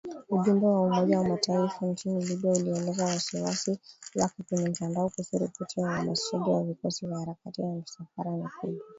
Ujumbe wa Umoja wa Mataifa nchini Libya ulielezea wasiwasi wake kwenye mtandao kuhusu ripoti ya uhamasishaji wa vikosi na harakati za misafara mikubwa